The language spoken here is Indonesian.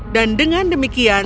dan dengan demikian